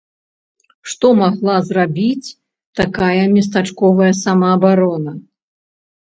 Што магла зрабіць такая местачковая самаабарона?